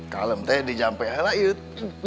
kalem teh dia sampai aja lah yuk